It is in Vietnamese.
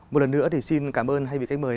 một lần nữa thì xin cảm ơn hai vị khách mời